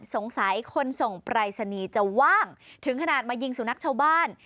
สงสัยคนส่งปรายศนีย์จะว่างถึงขนาดมายิงสุนัขชาวบ้าน